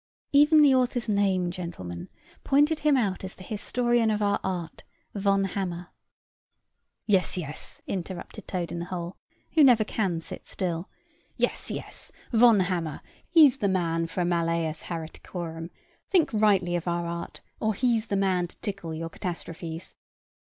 Even the author's name, gentlemen, pointed him out as the historian of our art Von Hammer "Yes, yes," interrupted Toad in the hole, who never can sit still "Yes, yes, Von Hammer he's the man for a malleus hæreticorum: think rightly of our art, or he's the man to tickle your catastrophes.